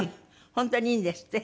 本当にいいんですって？